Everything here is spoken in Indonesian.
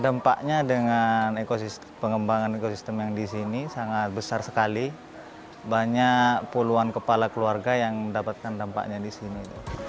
dampaknya dengan pengembangan ekosistem yang di sini sangat besar sekali banyak puluhan kepala keluarga yang mendapatkan dampaknya di sini